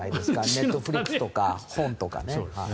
ネットフリックスとか本とか。